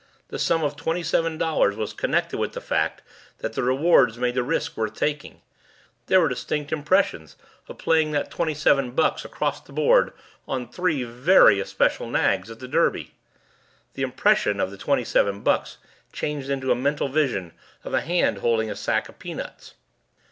The sum of twenty seven dollars was connected with the fact that the rewards made the risk worth taking; there were distinct impressions of playing that twenty seven bucks across the board on three very especial nags at the Derby. The impression of the twenty seven bucks changed into a mental vision of a hand holding a sack of peanuts.